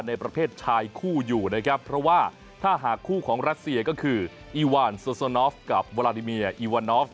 ในประเภทชายคู่อยู่นะครับเพราะว่าถ้าหากคู่ของรัสเซียก็คืออีวานโซนอฟกับวาลาดิเมียอีวานอฟ